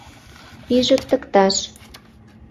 Пижыктыкташ.